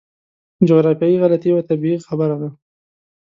جغرافیایي غلطي یوه طبیعي خبره ده.